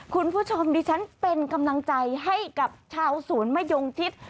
คุณผู้ชมดิฉันเป็นกำลังใจให้กับชาวสวนมะยงทิศ